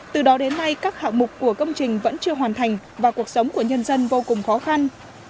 từ đó đến nay các hạng mục của công trình vẫn chưa hoàn thành và cuộc sống của nhân dân vô cùng khó khăn